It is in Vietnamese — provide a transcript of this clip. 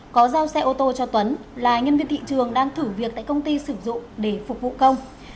có giao xe ô tô cho tuấn là nhân viên thị trường đang thử việc tại công ty sử dụng để phục vụ công